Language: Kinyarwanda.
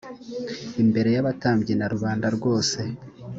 imbere y abatambyi na rubanda rwose